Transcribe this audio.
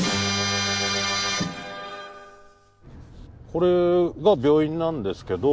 これが病院なんですけど。